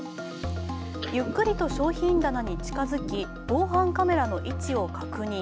ゆっくりと商品棚に近づき防犯カメラの位置を確認。